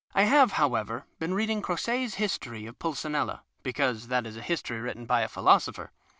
I have, however, been reading Croce's history of Pulcinella, because that is history written by a philosopher.